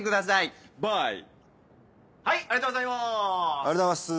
ありがとうございます！